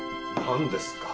何ですか？